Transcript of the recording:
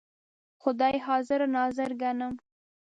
خدای حاضر ناظر ګڼم.